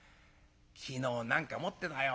昨日何か持ってたよ。